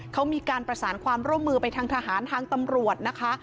เขามีการประสานความร่วมมือไปทางทหารทางตำรวจนะคะ